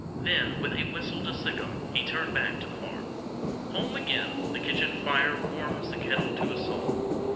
Then, with a whistle to Sic'em, he turned back to the farm. Home again! The kitchen fire Warms the kettle to a song.